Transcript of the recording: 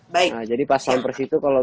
baik nah jadi paspampres itu kalau